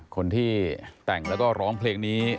คนที่แต่งแล้วก็ร้องเพลงนี้